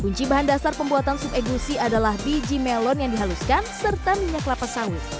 kunci bahan dasar pembuatan sup egusi adalah biji melon yang dihaluskan serta minyak lapas sawit